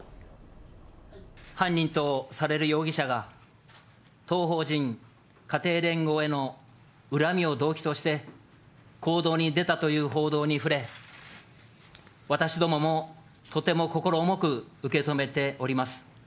犯人とされる容疑者が、当法人家庭連合への恨みを動機として、行動に出たという報道に触れ、私どももとても心重く受け止めております。